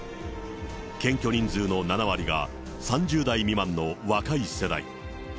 検挙人数の７割が３０代未満の若い世代。